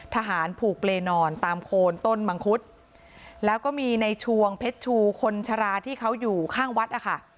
ทหารผูกเลนอนตามโคนต้นมังคุดแล้วก็มีในชวงเพชรชูคนชราที่เขาอยู่ข้างวัดนะคะ